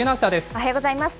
おはようございます。